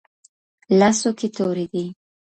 لاسو كې توري دي